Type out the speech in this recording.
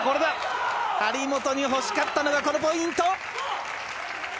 張本に欲しかったのはこのポイント。